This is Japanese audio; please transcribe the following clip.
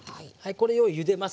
これをゆでます。